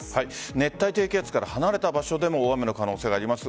熱帯低気圧から離れた場所でも大雨の可能性があります。